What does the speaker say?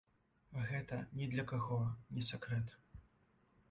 Гэта ні для каго не сакрэт.